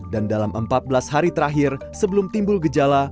dan dalam empat belas hari terakhir sebelum timbul gejala